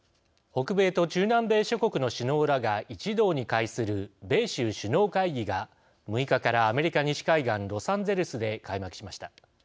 北米と中南米諸国の首脳らが一堂に会する米州首脳会議が６日から、アメリカ西海岸ロサンゼルスで開幕しました。